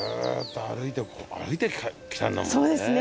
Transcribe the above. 歩いてきたんだもんね。